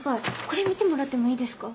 これ見てもらってもいいですか？